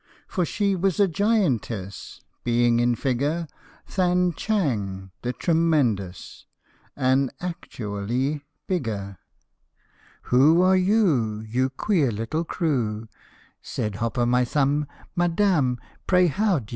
For she was a giantess, being in figure Than Chang the tremendous, ^rz actually bigger. " Who are you, you queer little crew ?" Said Hop o' my Thumb, " Madam, pray how d' ye do